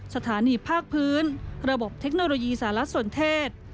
สถานีภาคพื้นระบบเทคโนโลยีสารสนเทศ